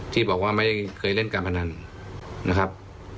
ที่บอกว่าไม่เคยเล่นการพนันนะครับ